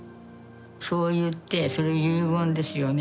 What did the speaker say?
そう言ってそれ遺言ですよね